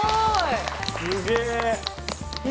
すげえ。